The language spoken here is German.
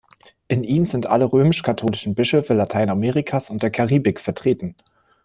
In ihm sind alle römisch-katholischen Bischöfe Lateinamerikas und der Karibik vertreten.